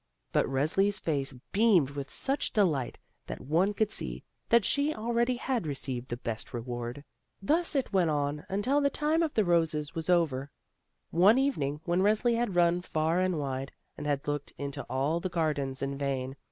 But Resli's face beamed with such delight that one could see that she already had received the best reward. Thus it went on until the time of roses was over. One evening, when Resli had run far and wide, and had looked into aU the gardens in vain.